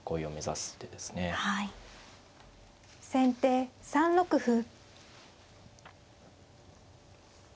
先手３六歩。